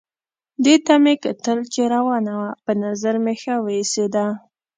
دې ته مې کتل چې روانه وه، په نظر مې ښه وه ایسېده.